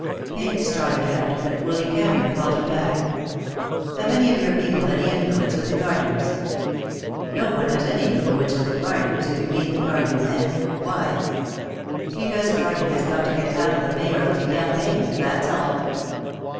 Pink started out, but Willy Cameron called him back. "Have any of your people any influence with the Cardews?" "No one has any influence with the Cardews, if you mean the Cardew men. Why?" "Because Cardew has got to get out of the mayoralty campaign. That's all."